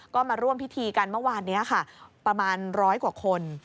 ก็มาร่วมพิธีกันเมื่อวานนี้ค่ะประมาณร้อยกว่าคน